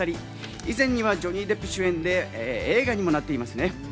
以前にはジョニー・デップ主演で、映画にもなっていますね。